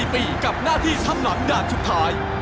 ๔ปีกับหน้าที่ทำหลังด่านสุดท้าย